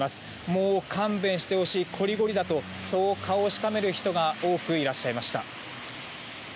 もう勘弁してほしいこりごりだとそう顔をしかめる人が多くいらっしゃいました。